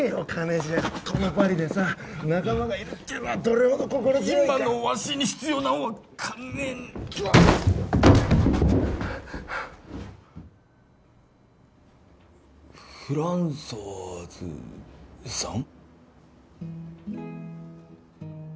このパリでさ仲間がいるっていうのはどれほど心強いか今のわしに必要なんは金フランソワーズさん？